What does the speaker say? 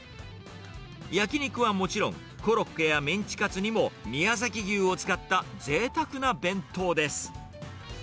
焼き肉はもちろん、コロッケやメンチカツにも宮崎牛を使ったぜいたくな弁当です。